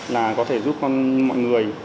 là có thể giúp mọi người